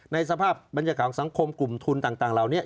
ในสภาพบรรยากาศสังคมกลุ่มทุนต่างลาวนี้